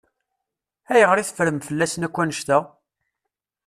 Ayɣer i teffrem fell-asen akk annect-a?